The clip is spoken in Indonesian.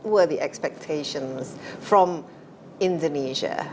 dan apa kehargian dari indonesia